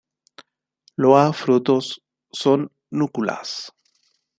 Loa frutos son núculas.